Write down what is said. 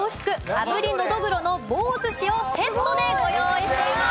炙りのどぐろの棒寿しをセットでご用意しています。